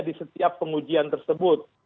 di setiap pengujian tersebut